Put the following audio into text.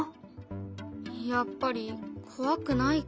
やっぱり怖くないか。